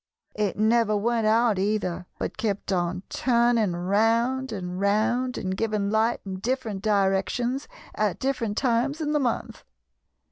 It never went out, either, but kept on turning round and round and giving light in different directions at different times in the month.